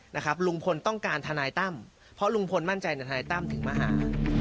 ลุงพลต้องการทนายตั้มเพราะลุงพลมั่นใจทนายตั้มถึงมาหา